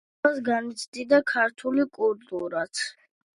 აღმავლობას განიცდიდა ფრანგული კულტურაც.